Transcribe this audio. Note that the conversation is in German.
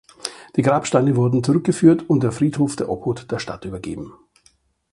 Die Grabsteine wurden zurückgeführt und der Friedhof der Obhut der Stadt übergeben.